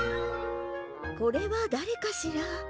これは誰かしら？